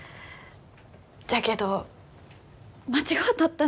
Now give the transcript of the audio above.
じゃけど間違うとったんです。